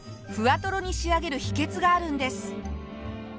ふわトロに仕上げる秘訣があるんです。